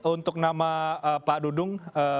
untuk nama pak dudung